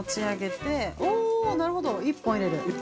◆なるほど、１本入れる。